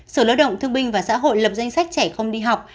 sở lao động thương binh và xã hội lập danh sách trẻ không đi học